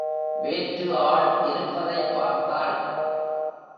வேற்று ஆள் இருப்பதைப் பார்த்தாள்.